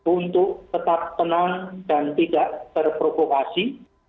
untuk tetap tenang dan tidak terprovokasi